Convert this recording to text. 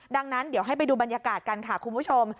ดังนั้นเดี๋ยวให้ไปดูบรรยากาศกันค่ะคุณผู้ชม